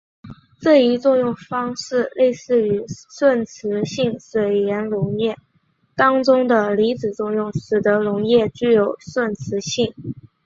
这一作用方式类似于顺磁性水盐溶液当中的离子作用使得溶液具有顺磁性。